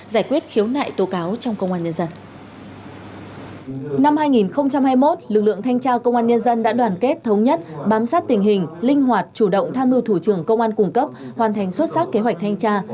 lực lượng thanh tra công an nhân dân đã đoàn kết thống nhất bám sát tình hình linh hoạt chủ động tham mưu thủ trưởng công an cung cấp hoàn thành xuất sắc kế hoạch thanh tra